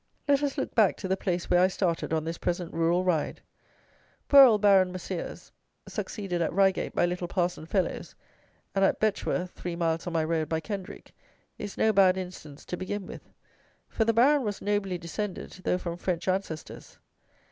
Let us look back to the place where I started on this present rural ride. Poor old Baron Maseres, succeeded at Reigate by little Parson Fellowes, and at Betchworth (three miles on my road) by Kendrick, is no bad instance to begin with; for the Baron was nobly descended, though from French ancestors.